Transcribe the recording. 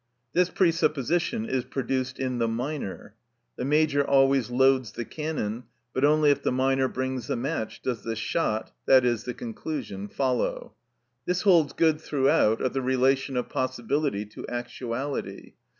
This presupposition is produced in the minor. The major always loads the cannon, but only if the minor brings the match does the shot, i.e., the conclusion, follow. This holds good throughout of the relation of possibility to actuality.